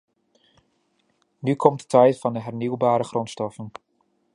Nu komt de tijd van de hernieuwbare grondstoffen.